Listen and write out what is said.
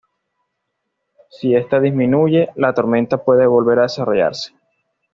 Si esta disminuye, la tormenta puede volver a desarrollarse.